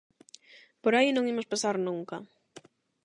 Por aí non imos pasar nunca.